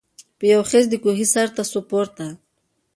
په یوه خېز د کوهي سرته سو پورته